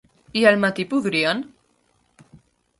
I al matí podrien?